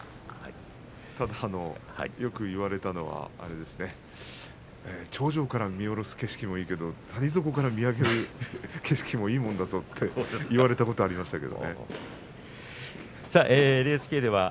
ただよく言われたのは頂上から見下ろす景色もいいけれども谷底から見上げる景色もいいものだぞと言われたことがあります。